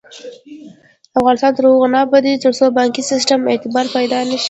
افغانستان تر هغو نه ابادیږي، ترڅو د بانکي سیستم اعتبار پیدا نشي.